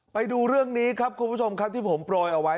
ไปดูเรื่องนี้ครับคุณผู้ชมครับที่ผมโปรยเอาไว้